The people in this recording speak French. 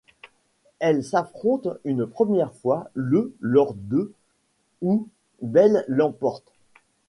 Elles s'affrontent une première fois le lors de ' où Belle l'emporte.